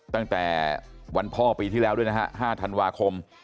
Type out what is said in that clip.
ตั้งแต่วันพ่อปีที่แล้วด้วยนะฮะ๕ธันวาคม